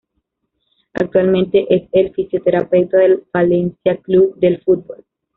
Actualmente es el fisioterapeuta del Valencia Club de Fútbol.